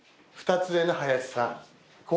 ２つ上の林さん。